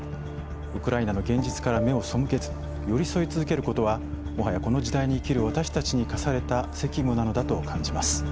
ウクライナの現実から目を背けず寄り添い続けることはもはやこの時代を生きる私たちに課された責務なのだと感じます。